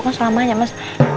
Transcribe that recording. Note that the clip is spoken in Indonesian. sama selama aja mas